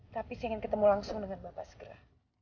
tapi saya ingin ketemu langsung dengan bapak segera